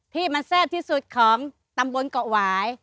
ที่มันแซ่บที่สุดของตำบลเกาะหวาย